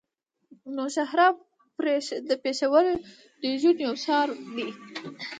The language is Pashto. نوشهره د پېښور ډويژن يو ښار دی.